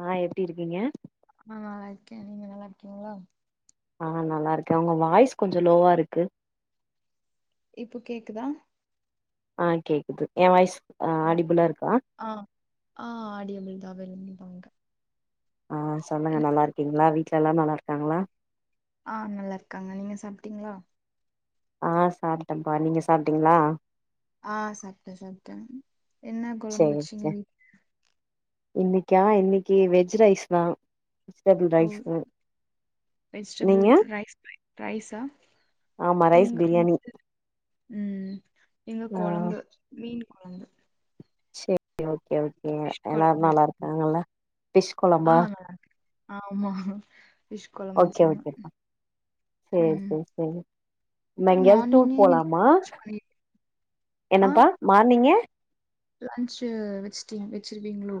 ஆ எப்டி இருக்கீங்க ஆ இருக்கே நீங்க நல்லா இருக்கீங்ளா ஆ நல்லா இருக்க உங்க வாய்ஸ் கொஞ்சோ லோவா இருக்கு இப்ப கேக்குதா ஆ கேக்குது எ வாய் ஆமா ஆ ஆ ஆடிய [unintelligible] கெளம்பி வாங்க ஆ சொல்லுங்க நல்லா இருக்கீங்ளா வீட் ட்ல எல்லா நல்லாருக்காங்ளா ஆ நல்லாருக்காங்க நீங்க சாப்ட்டீங்ளா ஆ சாப்ட்டம்பா நீங்க சாப்ட்டீங்ளா ஆ சாப்ட சாப்ட என்ன கொழம்பு சேரி வச்சீங்க சேரி. வீட் இன்னைக்கா இன்னைக்கு வெஜ் ரைஸ்தா ஓ நீங்க வெஜிடபிள் ரைஸ் ரைஸா ஆமா ரைஸ் இங் பிரியாணி [unintelligible] ம் இங்க ஆ கொழம்பு மீன் கொழம்பு க் ஓகே ஓக் ங்க ஃபிஷ் எல்லாரு கொழம்பு நல்லா வச்சாங்க இருக்காங்களா ஃபிஷ் ஆ கொழம்பா நல்லா இருக்கு ஆமா ஃபிஷ் கொழம்பு ஓகே வச்சாங்க ஓகேப்பா செரி ம் செரி சரிம் நம்ம எங்யாது டூர் மார்னிங்கே இன்னைக்கு போலாமா லன்ச் பண்ணி ஆ என்னப்பா மார்னிங்கே லன்ச்சு வச்சிட்டீங் வச்சிருவீங்ளோ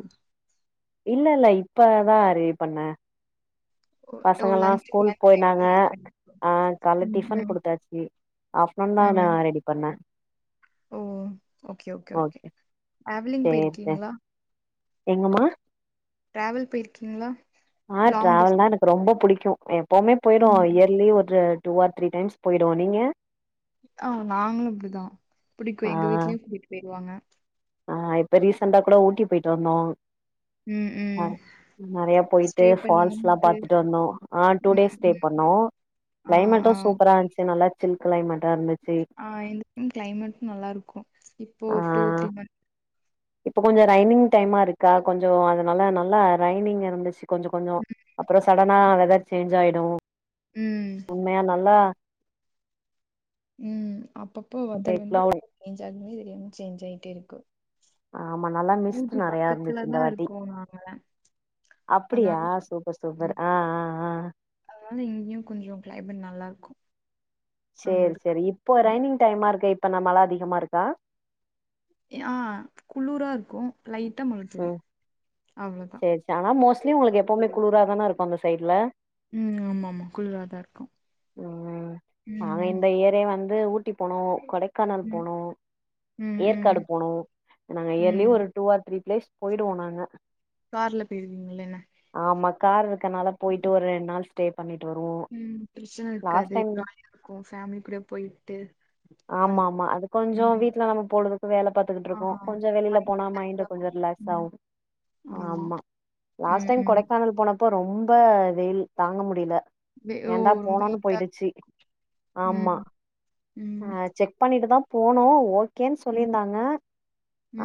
இல்ல இல்ல இப்பதா அறுவி பண்ண ஓ ஓ பசங்கலா லஞ்சுக்கு ஸ்கூல் லஞ்ச் போயினாங்க டைம்க்கு ரெடி பண்ணிக்கோ ஆ கால ம் டிஃபன் ம் கொடுத்தாச்சி ஆப்டூன் தா நா ம் ரெடி பண்ண ஓ ஓகே ஓகே ஓகே அவ்லிங் சேரி சேரி போயிருக்கீங்களா எங்கம்மா ட்ராவல் போயிருக்கீங்களா ஆ லாங் ட்ராவல்னா டிஸ்டன்ஸ் எனக்கு ரொம்ப புடிக்கு எப் போமே போயிடு ம். இயர்லி ஒரு டூ ஆர் த்ரீ டைம்ஸ் போய்டுவோ நீங்க ஆ நாங்களு இப்டிதா ஆ புடிக்கு எங்க வீட்லயு கூட்டு போயிடுவாங்க ஆ இப்ப ரீசண்டா கூட ஊட்டி போய்ட்டு வந்தோ ம் அ ம். நெறைய போயிட்டு ஸ்டே ஃபால்ஸ்லா பண்ணிட்டு பாத்துட்டு வந்தோ ஆ டூ ம் டேஸ் ஸ்டே ம். பண்ணோ ஆ கிளைமேட்டு ஆ. சூப்பரா இருந்ச்சி நல்லா சில் கிளைமட்டா இருச் ஆ இந் இந்த கிளைமேட்டு நல்லா இருக்கு இப்போ டூ ஆ த்ரீ மந்த் இப்ப கொஞ்ச ரைனிங் டைமா இருக்கா கொஞ்ச அதனால நல்லா ரைனிங் இருந்துச்சு கொஞ்ச கொஞ்சோ அப்பற சடனா வெதர் சேன்ஞ்ச் ஆயிடு ம் உண்மையா நல்லா ம் அப் அப்பப்போ வெதர் வந்து கேக்கலாம். சேன்ஞ்ச் ஆகுதே தெரியாம சேன்ஞ்ச் ஆயிட்டே இருக்கூ ஆமா நல்லா மிஸ்ட் ஊட்டி நெறையா பக்கத்துல இருந்துச்சு இந்த தா வாட்டி இருக்கோ நாங்க அப்டியா அதனால சூப்பர் சூப்பர் ம் ஆ ஆ ஆ அதனால இங்யும் கொஞ்ச கிளைமேட் நல்லா இருக்கூ செரி செரி இப்போ ரைனிங் டைமா இருக்கே அப்ப மழ அதிகமா இருக்கா ஆ குளூரா இருக்கூ ம் செரி செரி ஆனா மோஸ்ட்லி உங்களுக்கு எப்பவுமே குளிரா தான இருக்கு அந்த சைடுல ம் ம் ஆமா ஆமா குளிராதா இருக்கூ ம் நாங்க இந்த இயரே வந் து ஊட்டி போனோ கொடை க்கானல் ம் போனோ ம் ஏற்காடு ம் போனோ நாங்க இயர்லி ம் ஒரு டூ ஆர் த்ரீ ப்ளேஸ் போயிடுவோனாங்க கார்ல பேயிருக்கீங்கல்ல என்ன கார் க்கனால போயிட்டு ஒரு ரெண் நாள் ஸ்டே பண்ணிட்டு வருவோ ம் பிரச்சன இருக்காது இருக்கு ஃபேமிலி கூட போயிட்டு வந் ஆமாமா அது கொஞ்சோ ம் வீட்ல நம்ம பொழுதுக்கு வேல பாத்துகிட்டு ஆ இருப்போ கொஞ்சோ வெளில போனா ரிலாக்ஸ் மைண்ட் ஆகு கொஞ்சோ ரிலாக்ஸ் ம் ஆகு ஆமா லாஸ்ட் ம் டைம் ம் கொடைக்கானல் போனப் இப்ப ரொம்ப வெயில் தாங்க முடில வெ ஓ ஏன்டா ரொம்ப போனோனு ஹீட்டா போயிடுச்சு ம் ஆமா ஆ ம் செக் பண்ணிட்டு இப்பதா போனோ ஓ இருக்கேன்னு ம் சொல்லியிருந்தாங்க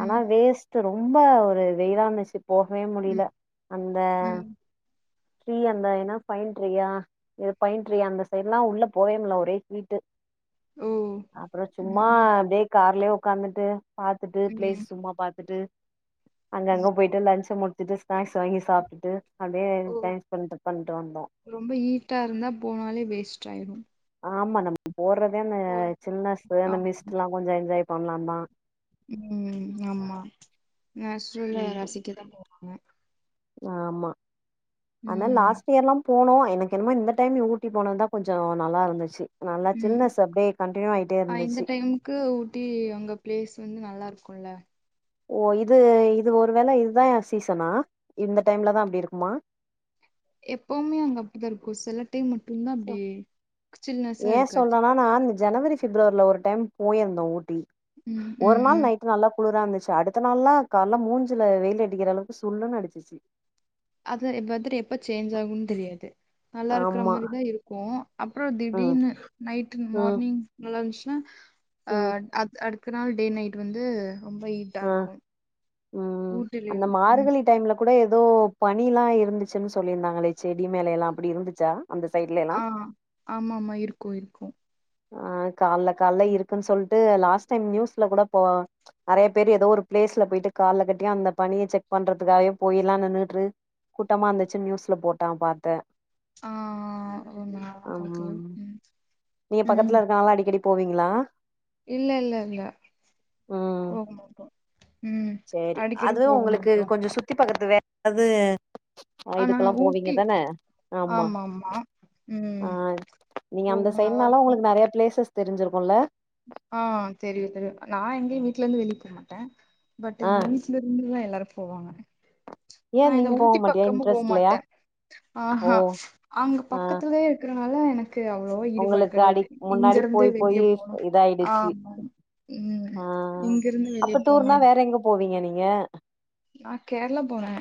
ஆனா வேஸ்ட்டு ரொம்ப ஒரு வெயிலான சிப் போகவே முடியல ம் அந்த ம் ட்ரீ அந்த என்ன பைன் ட்ரீயா எது பைன் ட்ரீயா அந்த சைடெல்லா உள்ள போயம்ல ஒரே ஹீட் ஓ அப்றோ ம் சும்மா ம் அதே கார்லயே உக்காந்துட்டு பாத்துட்டு ம் பிளேஸ் சும்மா பாத்துட்டு அங்க அங்க போயிட்டு லன்ச மு திட்டு ஸ்நாக்ஸ் வாங்கி சாப்ட்டுட்டு அப்டியே ஓ டைம் ஸ்பெண்ட் பண்ட்டு வந்தோ ரொம்ப ஹீட்டா இருந்தா போனாலே வேஸ்ட் ஆயிரு ஆமா நம்ம [inaudible] போர்ரதே அந்த சின்ன சுய ஆ அந்த மிஸ்ட்ல்லா கொஞ்சோ என்ஜாய் சொன்னனா ம் ஆமா நேச்சுரலா யா ம் ரசிக்கதா போ ம் ஆமா ஆனா ம் லாஸ்ட் இயர் எல்லாம் போனோ எனக்கு என்னமோ இந்த டைம் ஊட்டி போனதுதா கொஞ்சோ நல்லா இருந்துச்சு நல்லா ம் சில்னஸ் அப்டியே கண்டினியூ ஆயிட்டே அ இந்த இருந்துச்சு டைமுக்கு ஊட்டி அங்க பிளேஸ் வந்து நல்லா இருக்கு குள்ள ஓ இது இது ஒருவேளை இதுதா எ சீசனா இந்த டைம்லதா அப்டி இருக்குமா எப்வுமே அங்க அப்டிதா இருக்கும் சில டைம் மட்டு ஏ இருக்காது சொல்றேனா நா இந்த ஜனவரி பிப்ரவரில ஒரு டைம் போயிருந்தோ ஊட்டி ம் ஒரு ம் நாள் ம் நைட் நல்லா குளிரா இருந்ச் சி அடுத்த நாள் ல்லா கால்லா மூஞ்ல வெயில் அடிக்கிற அளவுக்கு சுல்லுன்னு அடிச்சிச்சி அது எப்ப ஃவெதர் சேஞ்ச் ஆகும்னு தெரியாது நல்லா இருக்கற ஆமா மாரிதா இருக்கூ அப்பறம் ம் திடீர்னு நைட் ம் மார்னிங் லன்ச் ல அ ம் அது அடுத் த்த நாள் டே நைட் வந்து ரொம்ப ஹீட்டா அ இருக்கு ம் அந்த ஊட்டிலயும் ம் மார்கழி டைம்ல கூட எ ஏதோ பனி லா இருந்துச்சுன்னு சொல்லியிருந்தாங்களே செடி மேலை லா அப்டி இருந்துச்சா அந்த சைட்ல எல்லா ஆ ஆமாமா இருக்கூ இருக்கூ ஆ கால்ல கால்ல இருக்குன்னு சொல்ட் டு லாஸ்ட் டைம் நியூஸ்ல கூட போ நெறைய பேர் ஏதோ ஒரு பிளேஸ்ல போயிட்டு கால கட்டியு அந்த பணிய செக் பண்றதுக்காகே போயலா நின்னுட்டு கூட்டமா இருந்துச்சு நியூஸ்ல போட்டா பாத்தே ஆ [unintelligible] ம் பக்கத்ல இருக்கா அடிக்க டி போவீங்களா இல்லல்லல்ல ம் போகமாட்டோ ம் சேரி அடிக்கடி அதுவே போக உங்களுக்கு மாட்டோ கொஞ்சோ சுத்தி பக்கத்து [inaudible] ஆ ஆனா இதுக்கெல்லா போவீங்க ஊட்டி தானே ஆமா ஆமாமா ஆ ம் நீங்க அந்த போவோ நல்லா சைடுனால இருக்கு உங்களுக்கு நெறைய ப்ளேசஸ் தெரிஞ்சிருக்குல்ல ஆ தெரியு தெரியு நா எங்கேயு வீட்டு்லருந்து வெளிய போக மாட்டே பட் ஆ எங்க வீட்ல இருந்து எல்லார போவாங்க ஏ நா இந்த நீங்க போக ஊட்டி மாட்டியா பக்கமு போ இன்ட்ரெஸ்ட் இல்லையா மாட்டே ஓ ஆஹா அங்க ஆ பக்கத்துல இருக்க னால எனக் க்கு அவ்வளோவா ஈடுபாடு உங்களுக்கு கெடையாது இங்க இருந்து வெளிய போனு ஆயிடுச்சு ஆமா ம் ஆ இங்கிருந்து வெளிய அப்ப போனு டூர்னா வேற எங்க போவீங்க நீ ங்க நா கேரளா போறே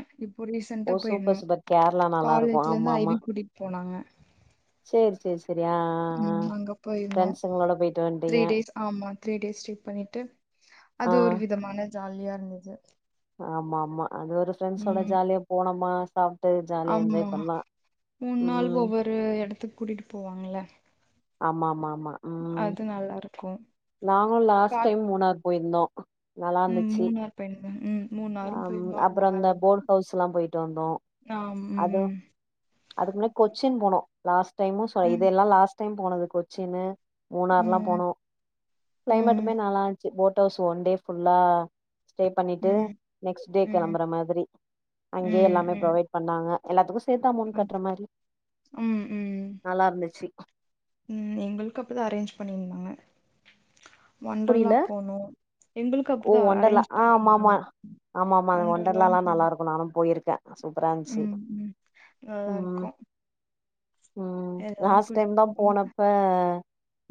ஓ சூப்பர் சூப்பர் கேரளா நல்லா இருக்கு காலேஜ்ல இருந்து ஆமா ஆமா ஐவி கூட்டிட்டு போனாங்க செரி செரி செ ம் அங்க போயிருந்தோ போயிட்டு த்ரீ வந்ட்டீங்க டேஸ் ஆமா த்ரீ டேஸ் ட்ரிப் பண்ணிட்டு அது ஆ ஒரு விதமான ஜாலியா இருந்தது ஆமா ஆமா அது ஒரு ஃப்ரெண்ட்ஸோட ம் ஜாலியா போனமா [unintelligible] ஆமா மூண் நாள் ம் ஒவ்வொரு எடத்துக்கு கூட்டிட்டு போவாங்கல ஆமா ஆமா ஆமா ம் அது நல்லா இருக்கு நாங்கு கா லாஸ்ட் டைம் மூணார் போயிர்ந்தோ ம் மூணாறு பெ ம் மூணாறும் அம் போயிருந்தோம். ஆமா அப்புறம் நல்லா இந்த இருக்கும். போர்ட் ஹவுஸ்ல்லா போயிட்டு வந்தோ ஆம். அதுவு ம். அதுக்கு முன்னே கொச்சின் போனோ லாஸ்ட் டைமு ச ம். இதெல்லா லாஸ்ட் டைம் போனது கொச்சினு மூணாற்லா ம். போனோ ம். க்ளைமேட்டுமே நல்லான்ச் போட் ஹவுஸ் ஒன் டே ஃபுல்லா ஸ்டே பண்ணிட்டு ம். நெக்ஸ் டே ம். கெளம்புற மாதிரி ம். அங்க்யே ம். எல்லாமே ம். ப்ரொவைட் பண்ணாங் க எல்லாத்துக்கு சேத்தா அமௌன் கட்ற மாரி ம். ம். நல்லா இருந்துச்சி ம் எங்களுக்கு அப்பதா அரேஞ்ச் பண்ணிர்ந்தாங்க ஒன்ரெல்லா போனோ எங் ஒ ஒண்டர்லா அ ஆமா ஆமா ஆமா ஆமா ஒண்டர்லாவும் ஒண்டர்லாலா போனோம். நல்லாருக்கு நானு போயிருக் சூப்பராஞ்சி ம். ம். நல்லா ம் இருக்கும். ம் எல்லாம் லாஸ்ட் டைம் தா கூட்டிட்டு போமா. போனப்ப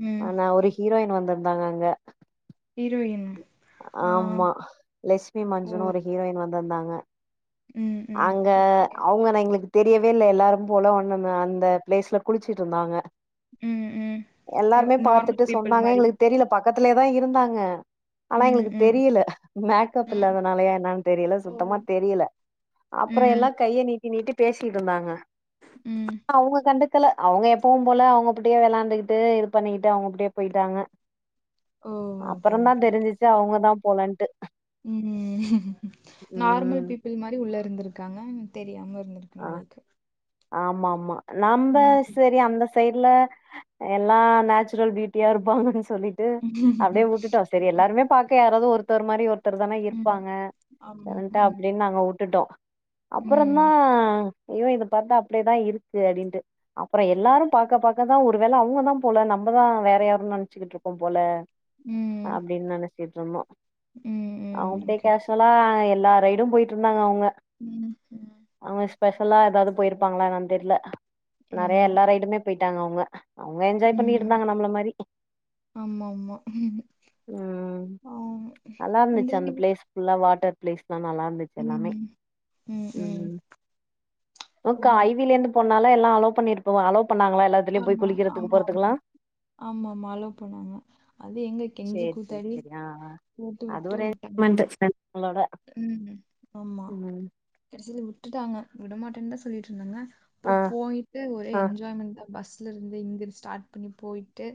ம். அ நா ஒரு ஹீரோயின் வ ந்தாங்க அங்க ஹீரோயின்னா ஆமா லஷ்மி ஓ! மஞ்சுனு ஒரு ஹீரோயின் வந்தாங்க ம். ம். அங்க ஓகே. அவுங்கள எங்களுக் தெரியவே இல்ல எல்லாரு போல [unintelligible] அந்த ப்ளேஸ்ல குளிச்சிட்ருந்தாங்க ம். ம். எ எல்லாருமே நார்மல் பாத்துட்டு பீப்பிள் சொன்னாங்க மாரி. எங்களுக் தெரில ப க்கத்துலேதா இருந்தாங்க ஆனா ம். எங்களுக்கு ம். தெரியல மேக்கப் ம். இல்லாதனாலயா என்னான் தெரியல ஓ! சுத்தமா தெரியல அப்பறோ ம். எல்லா கைய நீட் டி நீட்டி பேசிட்ருந்தாங்க ம். அவுங்க கண்டுக் க்கல அவுங்க எப்பவும் போல அவுங்க அப்டியே வெளாண்டுகுட்டு இது பண்ணிக்கிட்டு அவ்ங்க அப்டே போய்ட்டாங்க ஓ! ஓகே, அப்பறந்தா ஓகே, ஓகே. தெரிஞ்சிச்சி அவுங்க தா போலன்ட்டு் ம் ம் நார்ம்ல் பீப்பிள் மாறி உள்ள இருந்துருக்காங்கன் தெரியாம இந்துருக்கு உங்களுக்கு ஆம்மா ஆம்மா நம்ப செரி அந்த சைட்ல எல்லா நேச்சுரல் ப்யூட்டியா இருப்பாங்கன் சொல்லிட்டு அப்டியே உட்டுட்டோ செரி எல்லாருமே பாக் யாராது ஒருத்தர் மாறி ஒர் த்தர் தான ம். இருப்பாங்க ஆமா. அப்டின்ட்டு ம். அப்டியே நாங்க உட்டுட்டோ அப்பறோ தா ம். ஐயோ இத பாத்தா அப்டியேதா இருக்கு அப்டின்ட்டு அப்பறோ எல்லாரும் பாக்க பாக்கதா ஒரு வேல அவுங்கதா போல நம்பதா வேற யாருன் நென்ச்சிக்கிட்ருக்கோ போல ம். அப்டின் நென கேட்றமா ம். அவங்கட்டயே ஓகே. கேஷ்வலா எல்லார் ரைடும் போயிட்ருந்தாங்க அவுங்க [unintelligible] ஸ்பெஷலா எதாது போய்ருப்பாங்ளா என்னன் தெர்ல நெறய ஆமா. எல்லா ரைடுமே போய்ட் ட்டாங்க அவுங்க அவுங்க என்ஜாய் ம். பண்ணிகிட்ருந்தாங்க நம்மள மாறி ஆமாமா. ம் ஆ இந்த நல்லார்ந்துச்சு அந்த லீவு ப்ளேஸ் ஃபுல்லா வாட்டர் ப்ளேஸ் லா நல்லாருந்துச்சு எல்லாமே ம். ம் ஒனக்கு ஆம். ஐ வி-லேந்துப் போரனால எல்லா அலோ பண்ணிட்ப்போவ அலோப் ஆமா ஆமா ஆமா ஆமா ஆமா அளோ பன்னாங்க அது எங்க கெஞ்சி சேரி சேரி கூத்தாடி சேரி ஆ ஆ போட்டு அது விட்டு ஒரு விட்டாங்க என்ஜாய்மெண்ட் ஃப்ரெண்ட்ஸ்ங்களோட ம் ஆமா ம் கடசில விட்டுட்டாங்க விடமாட்டேன் தா சொல்லிட்ருந்தாங்க ஆ அப்புறம் போயிட்டு ஒரே ஆ என்ஜாய்மெண்ட் தா பஸ் ஸ்ல இருந்து இங்க ஸ்டார்ட் பண்ணி போயிட்டு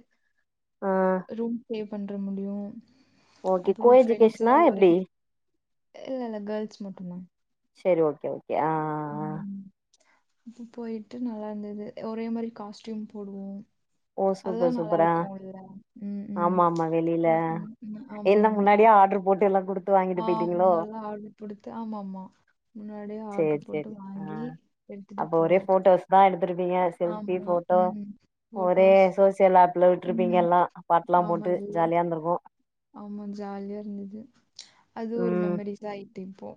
ஆ ரூம் பே பண்ற முடியும் ஓகே கோ அப்புறம் ஃப்ரெண்ட்ஸ் எஜுகேஷனா எல்லாம் ஒரே எப்டி இல்ல இல்ல கேர்ல்ஸ் மட்டும் தா சரி ஓகே ஓக் ஆ ஆ ஆ அப்ப போயிட்டு நல்லா இருந்தது ஒரே மாரி காஸ்ட்யூம் போடுவோம் ஓ அதெல்லா சூப்பர் நல்லா சூப்பர் ஆ இருக்குல்ல ம்ம் ஆமா ஆமா வெளில அப்புறம் ஃப்ர என்ன ஆமா ஆமா முன்னாடியே ஆர்டர் போட்டு எல்லா குடுத்து வாங்கிட்டு ஆ போயிட்டீங்களோ முன்னல்லா ஆர்டரு போடுத்து ஆமாம்மா முன்னாடியே ஆர்டரு சேரி போட்டு சேரி ஆ வாங்கி எடுத்துட்டு போயாச்சு துருப்பிங்க செல்ஃபி ஆமா. போட்டோ ம். ஒரே ஃபோட்டோஸ் சோ இல்ல விட்ருப்பீங்க ம். எல்லா பாட்டு எல்லா ஆமா போட்டு இல்ல. ஜாலியா இருந்துருக்கு ஆமா ஜாலியா இருந்தது அது ஒரு ம் மெமரிஸ்தா ஆயி டிப்போ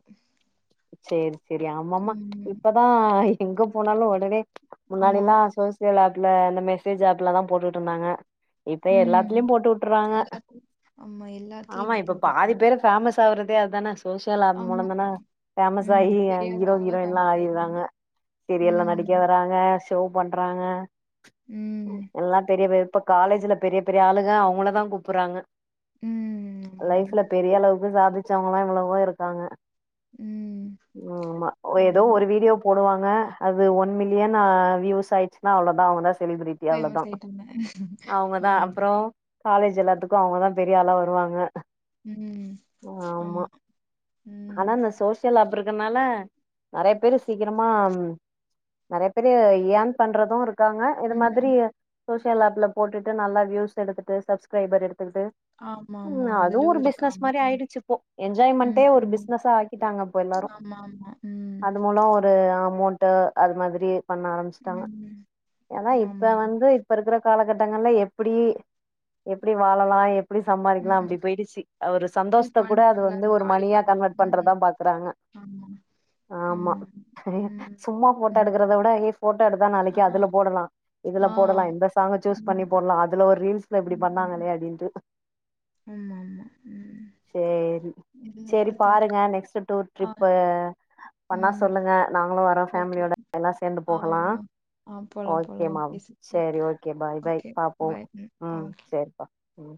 சேரி செரி ஆமாமா இப்பதா எங்க போனாலு ஒடனே ஆமா. முன்னாடில்லா சோசியல் ஆப் ல இந்த மெசேஜ் ஆப்ல தா போட்டுட்டு இருந்தாங்க இப்போ ம். எல்லாத்துலயு போட்டு வுட்ருவாங்க எல்லாத்துலயும் ஆமா ஆமா எல்லாத்துலயும் இப்போ பாதி போட்டுர்றாங்க. பேரு ஃபேமஸ் ஆவுறது து அதான சோசியல் ஆப் மூலம நா ஆமாமா. ஃபேமஸ் ஆயி ம். ஹீரோ தெரியாதவங்கலாம் ஹீரோயின் எல்லா ஃபேமஸ் ஆயிடுவாங்க. ஆயிடுறாங்க சீரியெல்ல நடிக்க ம். வராங்க டோவ் பண்றாங்க ம். எல்லா பெரிய பெ இப்ப காலேஜ்ல பெரிய பெரிய ஆளுங்க அவங்கள தா கூப்புடுறாங்க ம். ஆமாமா. லைஃப்ல பெரிய அளவு க்கு சாதிச்சவங்கள்லா எவ்வளவோ இருக்காங்க ம். ஆமா எதோ ஆமா. ஒரு வீடியோ போடுவாங்க அது ஒன் மில்லியன் ஆ வியூஸ் ஆயிச்சுன்னா அவ்ளோதா அவங்கதா செலிபிரிட்டி அவ்ளோதா ஃபேமஸ் ஆயிட்டாங்க. அவங்கதா ஆமா. அப்றோ காலேஜ் எல்லாத்துக்கு அவங்கதா பெரிய ஆளா வருவாங்க ம் ஆமா அமா ம் ஆனா இந்த சோசியல் ஆப்ருக் கனால நறைய பேரு சீக்கிரமா நறைய பேரு ஏன் பண்றதோ இருக் காங்க இது மாதிரி ம். சோசியல் ஆப்ல போட்டுட்டு நல்லா வியூஸ் எடுத்துட்டு சப்ஸ்கிரைபர் எடுத் துட்டு ஆமாமா. ம் அதுவு அதுலயும் ஒரு பிஸ்னஸ் இருக்காங்க. மாரி ம். ஆயிடுச்சு இப்போ என்ஜாயின்மென்டே ம். ஒரு ம். பிஸ் னஸ்ஸா ஆக்கிட்டாங்க இப்ப எல்லாரு ஆமாமா. ம். அது மூலோ ஒரு அமௌண்ட்டு அது மாதிரி பண்ண ஆரம்பிச்சுட்டாங்க ம். ஆனா இப்ப ஆமாமா. வந்து இப்ப இருக்குற காலகட் த்தங்கள்லா எப்டி எப்டி வாழலா எப் எப்புடி சம்பாதிக்கலா ம். அப்டி போயிடுச்சு ஒரு அப்டியே சந்தோஷத்த ஃபன் கூட அது பண்ணலாம், வந்து ஒரு ஜாலி மணியா பண்ணலாம். கன்வட் பண்றதா ம். பாக்குறாங்க ஆமா, ஆமா செரி ம், சும்மா போட்டோ ம். எடுக்குறத விட போட்டா எடுத்தா ஆ, நாளைக்கி அதுல போடலா இதுல ஆ. போடலா இந்த சாங்கு சூஸ் பண்ணி ம், போடலாம் அதுல ஒரு ரீல்ஸ்ல இப்டி பண்ணாங்களே அப்டின்ட்டு ஆமாம்மா ம் சேரி இது சேரி எப்டி பாருங்க நெக்ஸ்ட்ட் டூர் ட்ரிப்பு பண்ணா ம். சொல்லுங்க நாங்களு வரோ ஓகே. ஃபேமிலியோட எல்லா சேர்ந்து ஆ, போகலா ஆ. ஆ போலாம், போலாம். ஓகேம்மா ஓகே சிஸ்டர். சேரி ஓகே ஃபாய் ஃபாய் ஓகே. பாப்போம் பாய். ம் ஆ. சேரிப்பா ம்